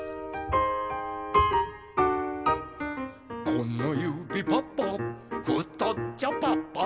「このゆびパパふとっちょパパ」